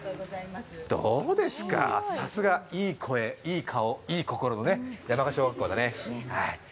どうですか、さすがいい声、いい顔、いい心の山鹿小学校だね。